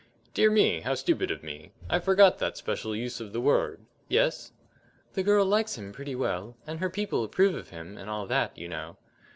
"Dear me! How stupid of me! I forgot that special use of the word. Yes?" "The girl likes him pretty well, and her people approve of him, and all that, you know."